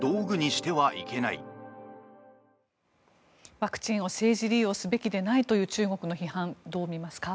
ワクチンを政治利用すべきでないという中国の批判、どう見ますか。